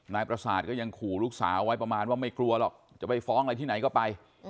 นายประสาทก็ยังขู่ลูกสาวไว้ประมาณว่าไม่กลัวหรอกจะไปฟ้องอะไรที่ไหนก็ไป